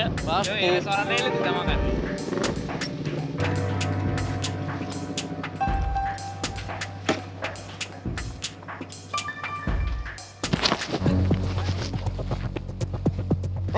yoi restorannya ini kita makan